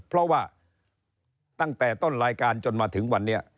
เพราะว่าตั้งแต่ต้นรายการจนมาถึงวันนี้